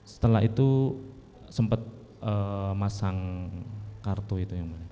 setelah itu sempat masang kartu itu yang mulia